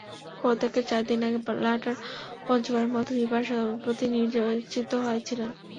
পদত্যাগের চার দিন আগে ব্ল্যাটার পঞ্চমবারের মতো ফিফার সভাপতি নির্বাচিত হয়েছিলেন।